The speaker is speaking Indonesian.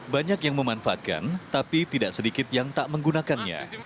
banyak yang memanfaatkan tapi tidak sedikit yang tak menggunakannya